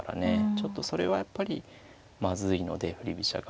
ちょっとそれはやっぱりまずいので振り飛車が。